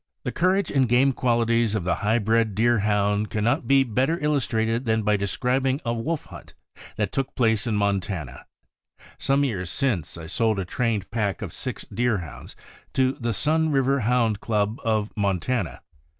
The courage and game qualities of the high bred Deer hound can not be better illustrated than by describing a wolf hunt which took place in Montana. Some years since, I sold a trained pack of six Deerhounds to the Sun River Hound Club of Montana.